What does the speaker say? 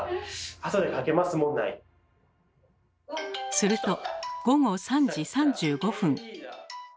すると午後３時３５分。